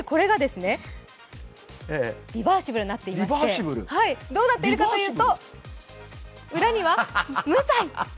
リバーシブルになっていまして、どうなっているかというと、裏には「無罪」。